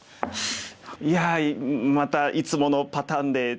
いやまたいつものパターンでというか。